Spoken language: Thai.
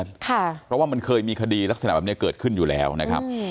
เพราะว่ามันเคยมีคดีลักษณะแบบนี้เกิดขึ้นอยู่แล้วนะครับ